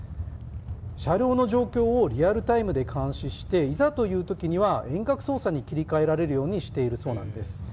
車両の状況をリアルタイムで監視して、いざというときには遠隔操作に切り替えられるようにしているそうなんです。